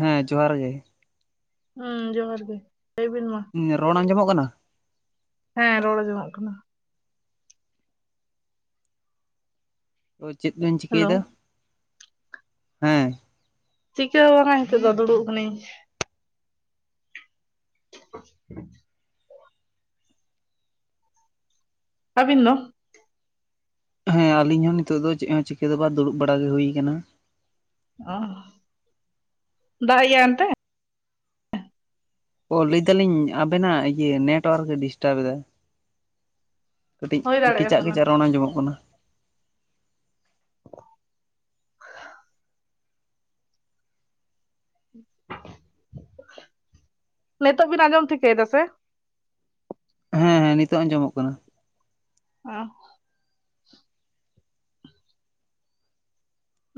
ᱦᱮᱸ ᱡᱚᱦᱟᱨ ᱜᱮ᱾ ᱦᱩᱸ ᱡᱚᱦᱟᱨ ᱜᱮ ᱞᱟᱹᱭ ᱵᱤᱱ ᱢᱟ? ᱨᱚᱲ ᱟᱸᱡᱚᱢᱚᱜ ᱠᱟᱱᱟ? ᱦᱮᱸ ᱨᱚᱲ ᱟᱸᱡᱚᱢᱚᱜ ᱠᱟᱱᱟ᱾ ᱛᱚ ᱪᱮᱫ ᱵᱮᱱ ᱦᱮᱞᱳ ᱪᱤᱠᱟᱹᱭᱮᱫᱟ [inaudible] ᱦᱮᱸ ᱪᱤᱠᱟᱹ ᱦᱚ ᱵᱟᱝᱟ ᱦᱤᱛᱚᱜ ᱫᱚ ᱫᱩᱲᱩᱵ ᱠᱟᱹᱱᱟᱹᱧ᱾ [unintelligible] ᱟᱹᱵᱤᱱ ᱫᱚ? ᱦᱮᱸ ᱟᱞᱤᱧ ᱦᱚᱸ ᱱᱤᱛᱚᱜ ᱫᱚ ᱪᱮᱫ ᱦᱚᱸ ᱪᱤᱠᱟᱹ ᱫᱚ ᱵᱟ ᱫᱩᱲᱩᱵ ᱵᱟᱲᱟ ᱜᱮ ᱦᱩᱭ ᱠᱟᱱᱟ᱾ ᱚᱦ [inaudible] ᱫᱟᱜ ᱮᱫ ᱜᱮᱭᱟᱭ ᱚᱱᱛᱮ? ᱚ ᱞᱟᱹᱭᱫᱟᱞᱤᱧ ᱟᱵᱮᱱᱟᱜ ᱤᱭᱟᱹ ᱱᱮᱴᱚᱣᱟᱨᱠ ᱮ ᱰᱤᱥᱴᱟᱵᱽ ᱮᱫᱟ᱾ ᱠᱟᱹᱴᱤᱡ ᱦᱩᱭ ᱫᱟᱲᱮᱭᱟᱜᱼᱟ ᱠᱮᱪᱟᱜ ᱯᱟᱞᱮᱱ ᱠᱮᱪᱟᱜ ᱨᱚᱲ ᱟᱸᱡᱚᱢᱚᱜ ᱠᱟᱱᱟ [unintelligible] ᱱᱤᱛᱳᱜ ᱵᱤᱱ ᱟᱸᱡᱚᱢ ᱴᱷᱤᱠᱟᱹᱭ ᱫᱟ ᱥᱮ ᱦᱮᱸ ᱦᱮᱸ ᱱᱤᱛᱚᱜ ᱟᱸᱡᱚᱢᱚᱜ ᱠᱟᱱᱟ᱾ ᱚ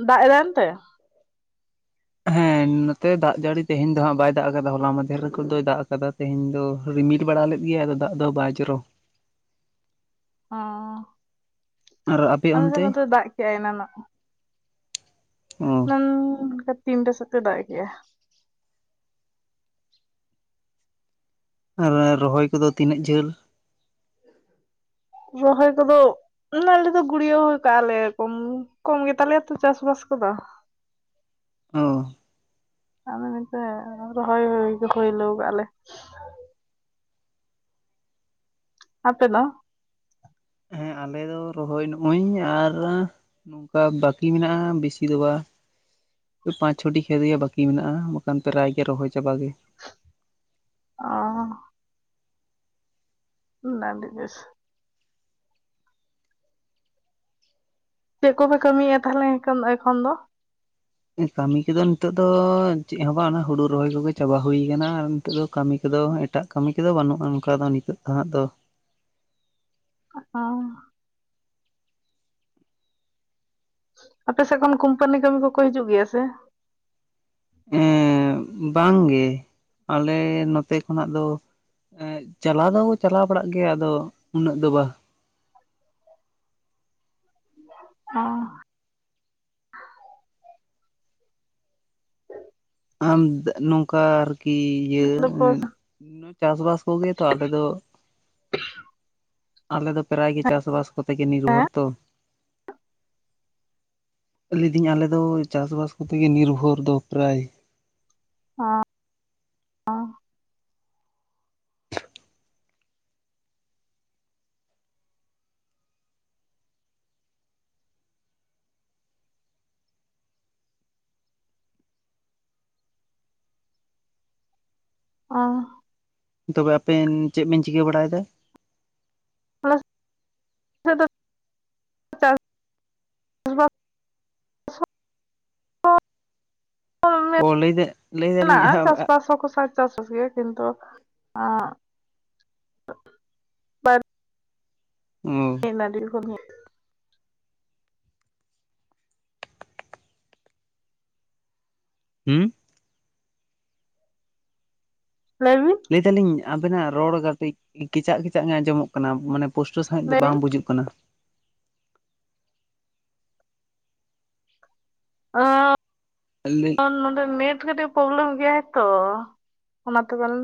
ᱫᱟᱜ ᱮᱫᱟᱭ ᱚᱱᱛᱮ? ᱦᱮᱸ ᱱᱚᱛᱮ ᱫᱟᱜ ᱡᱟᱹᱲᱤ ᱛᱮᱦᱮᱧ ᱛᱮᱦᱮᱧ ᱫᱚ ᱦᱟᱸᱜ ᱵᱟᱭ ᱫᱟᱜ ᱟᱠᱟᱫᱟ ᱦᱚᱞᱟ ᱢᱟᱫᱷᱮᱨ ᱨᱮᱠᱚ ᱫᱚᱭ ᱫᱟᱜ ᱟᱠᱟᱫᱟ ᱛᱮᱦᱮᱧ ᱫᱚ ᱨᱤᱢᱤᱴ ᱵᱟᱲᱟ ᱞᱮᱫ ᱜᱮᱟᱭ ᱟᱫᱚ ᱫᱟᱜ ᱫᱚ ᱵᱟᱭ ᱡᱚᱨᱚ ᱚ ᱟᱨ ᱟᱯᱮ ᱟᱞᱮ ᱥᱮᱫ ᱚᱱᱛᱮ? ᱱᱚᱛᱮ ᱫᱟᱜ ᱠᱮᱜᱟᱭ ᱮᱱᱟᱱᱚᱜ ᱦᱩᱸ ᱚᱱᱠᱟ ᱛᱤᱱᱴᱟ ᱥᱮᱫ ᱛᱮ ᱫᱟᱜ ᱠᱮᱜ-ᱟ᱾ ᱟᱨ ᱨᱚᱦᱚᱭ ᱠᱚᱫᱚ ᱛᱤᱱᱟᱹᱜ ᱡᱷᱟᱹᱞ? ᱨᱚᱦᱚᱭ ᱠᱚᱫᱚ ᱢᱟᱱᱮ ᱟᱞᱮ ᱫᱚ ᱜᱩᱲᱭᱟᱹᱣ ᱠᱟᱜᱼᱟ ᱞᱮ ᱠᱚᱢ ᱠᱚᱢ ᱜᱮᱛᱟᱞᱮᱭᱟ ᱛᱚ ᱪᱟᱥᱵᱟᱥ ᱠᱚᱫᱚ᱾ ᱚ᱾ [unintelligible] ᱨᱚᱦᱚᱭ ᱦᱩᱭ ᱦᱳᱭᱞᱩ ᱠᱟᱜ-ᱟᱞᱮ᱾ ᱟᱯᱮ ᱫᱚ? ᱦᱮᱸ ᱟᱞᱮ ᱫᱚ ᱨᱚᱦᱚᱭᱱ ᱦᱩᱸᱭᱱ ᱟᱨ- ᱱᱚᱝᱠᱟ ᱵᱟᱠᱤ ᱢᱮᱱᱟᱜᱼᱟ ᱵᱤᱥᱤ ᱫᱚ ᱵᱟ ᱯᱟᱸᱪ ᱪᱷᱚᱴᱤ ᱠᱷᱮᱛ ᱜᱮ ᱵᱠᱤ ᱢᱮᱱᱟᱜᱼᱟ ᱵᱟᱠᱷᱟᱱ ᱯᱨᱟᱭ ᱜᱮ ᱨᱚᱦᱚᱭ ᱪᱟᱵᱟ ᱜᱮ᱾ ᱚᱸᱻ ᱱᱮᱱᱰᱤᱜᱮᱥ ᱪᱮᱫ ᱠᱚᱯᱮ ᱠᱟᱹᱢᱤᱭᱟ ᱛᱟᱦᱚᱞᱮ ᱮᱠᱷᱚᱱ ᱮᱠᱷᱚᱱ ᱫᱚ? ᱠᱟᱹᱢᱤ ᱠᱚᱫᱚ ᱱᱤᱛᱚᱜ ᱫᱚ ᱪᱮᱫ ᱦᱚᱸ ᱵᱟᱝ ᱦᱩᱲᱩ ᱨᱚᱦᱚᱭ ᱠᱚᱜᱮ ᱪᱟᱵᱟ ᱦᱩᱭᱩ ᱠᱟᱱᱟ ᱟᱨ ᱱᱤᱛᱚᱜ ᱫᱚ ᱠᱟᱹᱢᱤ ᱠᱚᱫᱚ ᱮᱴᱟᱜ ᱠᱟᱹᱢᱤ ᱠᱚᱫᱚ ᱵᱟᱹᱱᱩᱜᱼᱟ ᱚᱱᱠᱟ ᱫᱚ ᱱᱤᱛᱚᱜ ᱫᱚ ᱦᱟᱸᱜ ᱫᱚ᱾ ᱚᱸᱻ ᱟᱯᱮ ᱥᱮᱜ ᱠᱷᱚᱱ ᱠᱩᱢᱯᱟᱱᱤ ᱠᱟᱹᱢᱤ ᱠᱚᱠᱚ ᱦᱤᱡᱩᱜ ᱜᱮᱭᱟ ᱥᱮ? ᱮᱸᱻ ᱵᱟᱝ ᱜᱮ ᱟᱞᱮ ᱱᱚᱛᱮ ᱠᱷᱚᱱᱟᱜ ᱫᱚ ᱮᱸᱜ ᱪᱟᱞᱟᱣ ᱫᱚᱠᱚ ᱪᱟᱞᱟᱣ ᱵᱟᱲᱟᱜ ᱜᱮᱭᱟ ᱟᱫᱚ ᱩᱱᱟᱹᱜ ᱫᱚ ᱵᱟ᱾ ᱦᱩᱸ ᱟᱢ ᱱᱚᱝᱠᱟ ᱟᱨᱠᱤ ᱤᱭᱟᱹ ᱪᱟᱥᱵᱟᱥ ᱠᱚᱜᱮ ᱛᱚ ᱟᱞᱮ ᱫᱚ ᱟᱞᱮ ᱫᱚ ᱯᱨᱟᱭ ᱜᱮ ᱪᱟᱥᱼᱵᱟᱥ ᱠᱚᱛᱮ ᱜᱮ ᱦᱮᱸ ᱱᱤᱨᱵᱷᱚᱨ ᱛᱚ ᱞᱮᱫᱤᱧ ᱟᱞᱮᱫᱚ ᱪᱟᱥᱵᱟᱥ ᱠᱚᱛᱮᱜᱮ ᱱᱤᱨᱵᱷᱚᱨ ᱫᱚ ᱯᱨᱟᱭ [inaudible] ᱚᱸᱻ ᱛᱚᱵᱮ ᱟᱯᱮᱱ ᱪᱮᱜ ᱵᱮᱱ ᱪᱤᱠᱟᱹ ᱵᱟᱲᱟᱭᱮᱫᱟ? [inaudible] [inaudible] ᱚ ᱞᱟᱹᱭᱫᱟ ᱞᱟᱹᱭ [inaudible] ᱫᱟᱞᱤᱧ ᱢᱮᱱᱟᱜᱼᱟ ᱪᱟᱥᱵᱟᱥ ᱦᱚᱸᱠᱚ ᱥᱟ ᱪᱟᱥ ᱦᱚᱪᱚᱭᱟ ᱠᱤᱱᱛᱩ ᱦᱩᱸ [unintelligible] ᱦᱩᱸ ᱞᱟᱹᱭ ᱵᱤᱱ? ᱞᱟᱹᱭᱫᱟᱞᱤᱧ ᱟᱵᱮᱱᱟᱜ ᱨᱚᱲ ᱜᱟᱛᱮᱜ ᱠᱮᱪᱟᱜ ᱠᱮᱪᱟᱜ ᱜᱮ ᱟᱸᱡᱚᱢᱚᱜ ᱠᱟᱱᱟ ᱠᱟᱱᱟ ᱢᱟᱱᱮ ᱯᱩᱥᱴᱟᱹᱣ ᱥᱟᱸᱦᱤᱡ ᱫᱚ ᱞᱟᱹᱭ ᱵᱤᱱ ᱵᱟᱝ ᱵᱩᱡᱩᱜ ᱠᱟᱱᱟ [unintelligible] ᱟᱞᱤᱧ ᱞᱤᱧ ᱱᱚᱸᱰᱮ ᱱᱮᱴ ᱠᱟᱹᱴᱤᱡ ᱯᱨᱚᱵᱞᱮᱢ ᱜᱮᱭᱟᱭ ᱛᱚ ᱚᱱᱟᱛᱮ ᱯᱟᱞᱮᱱ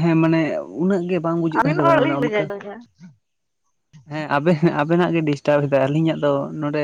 ᱦᱮᱸ ᱢᱟᱱᱮ ᱩᱱᱟᱹᱜ ᱜᱮ ᱵᱟᱝ ᱵᱩᱡᱩᱜ ᱠᱟᱱ ᱟᱹᱵᱤᱱ ᱨᱚᱲ ᱛᱟᱵᱮᱱᱟ ᱟᱹᱞᱤᱧ ᱵᱟᱹᱞᱤᱧ ᱚᱱᱠᱟ ᱟᱸᱡᱚᱢᱮᱫᱼᱟ ᱦᱮᱸ ᱟᱵᱮᱱ ᱟᱵᱮᱱᱟᱜ ᱜᱮ ᱰᱤᱥᱴᱟᱵᱽ ᱫᱟᱭ ᱟᱞᱤᱧᱟᱜ ᱫᱚ ᱱᱚᱰᱮ